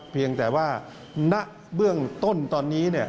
เพียงแต่ว่าณเบื้องต้นตอนนี้